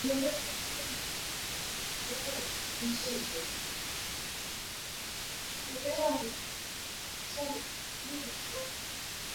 mahtu ngwehe sudi ngese ngwali ni videkeUtamaduni Chakula chao ni ugali wa mahindi